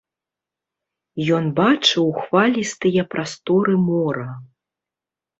Ён бачыў хвалістыя прасторы мора.